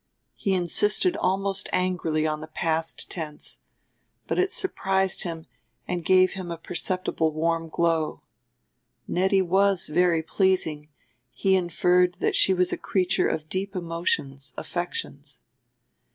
He insisted almost angrily on the past tense, but it surprised him and gave him a perceptible warm glow. Nettie was very pleasing: he inferred that she was a creature of deep emotions, affections.